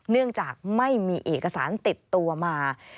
เนื่องจากไม่มีเอกสารติดตัวมา